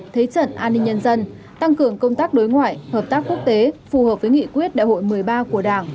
thế trận an ninh nhân dân tăng cường công tác đối ngoại hợp tác quốc tế phù hợp với nghị quyết đại hội một mươi ba của đảng